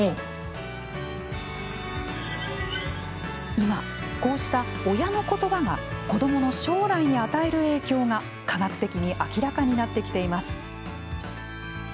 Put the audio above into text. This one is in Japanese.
今、こうした親の言葉が子どもの将来に与える影響が科学的に明らかになってきています。